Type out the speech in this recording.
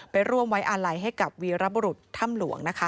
ไปร่วมวัยอาลัยให้กับวีรบรุษธรรมหลวง